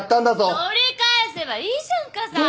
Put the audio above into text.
取り返せばいいじゃんかさ！